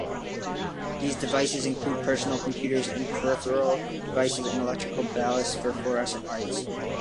These devices include personal computers and peripheral devices, and electrical ballasts for fluorescent lights.